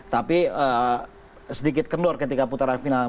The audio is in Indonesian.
tapi sedikit kendor ketika putaran final